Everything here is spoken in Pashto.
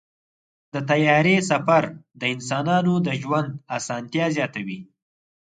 د طیارې سفر د انسانانو د ژوند اسانتیا زیاتوي.